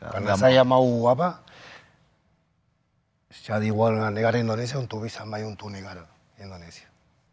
karena saya mau apa jadi warga negara indonesia untuk bisa maju untuk negara indonesia